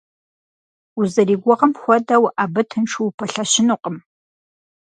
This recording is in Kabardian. Узэригугъэм хуэдэу абы тыншу упэлъэщынукъым.